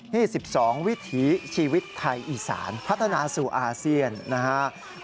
นี่๑๒วิถีชีวิตไทยอีสานพัฒนาสู่อาเซียนนะฮะ